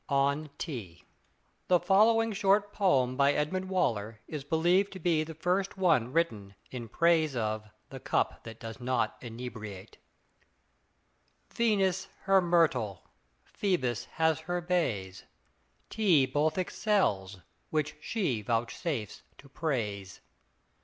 ON TEA The following short poem by Edmund Waller is believed to be the first one written in praise of the "cup that does not inebriate": Venus her myrtle, Phoebus has her bays; Tea both excels, which she vouchsafes to praise.